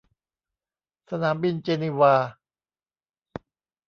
สนามบินเจนีวา